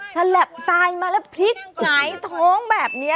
สลับทรายมาแล้วพลิกหงายท้องแบบนี้